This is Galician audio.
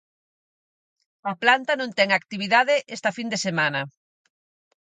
A planta non ten actividade esta fin de semana.